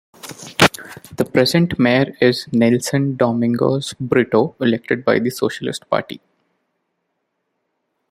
The present mayor is Nelson Domingos Brito, elected by the Socialist Party.